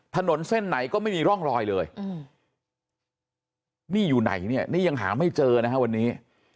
ถนนเส้นไหนก็ไม่มีร่องรอยเลยนี่อยู่ไหนเนี่ยนี่ยังหาไม่เจอนะฮะวันนี้